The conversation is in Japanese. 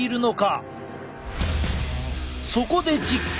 そこで実験！